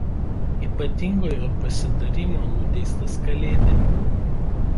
Ypatingojo pasitarimo nuteistas kalėti.